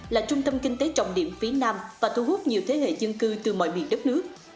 là trung tâm kinh tế trọng điểm phía nam và thu hút nhiều thế hệ dân cư từ mọi miền đất nước